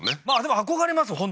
まあでも憧れます